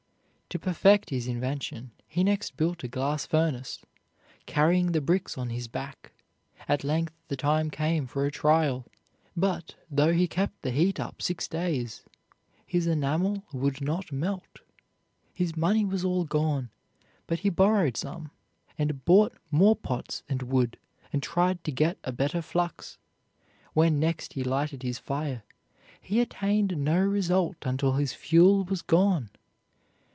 To perfect his invention he next built a glass furnace, carrying the bricks on his back. At length the time came for a trial; but, though he kept the heat up six days, his enamel would not melt. His money was all gone, but he borrowed some, and bought more pots and wood, and tried to get a better flux. When next he lighted his fire, he attained no result until his fuel was gone.